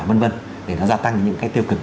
v v để nó gia tăng những cái tiêu cực